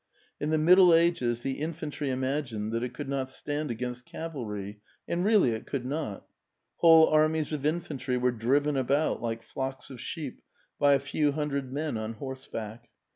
In the Middle Age?, the infantry unagined that it conld not stand against cavalry — and rcaUy it could not. Whole armies of infantry were driven about, like flocks of sheep, by a few hundred men on horseback.